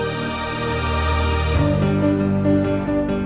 jangan sampai nanti kita kembali ke rumah